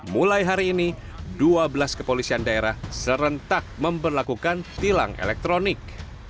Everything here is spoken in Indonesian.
mulai hari ini dua belas kepolisian daerah serentak memperlakukan tilang elektronik